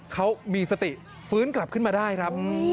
เขามีสติฟื้นกลับขึ้นมาได้ครับ